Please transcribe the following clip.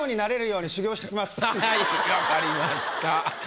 はい分かりました。